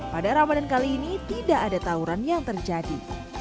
pada ramadhan kali ini tidak ada tauran yang terjadi